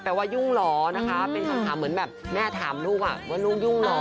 ว่ายุ่งเหรอนะคะเป็นคำถามเหมือนแบบแม่ถามลูกว่าลูกยุ่งเหรอ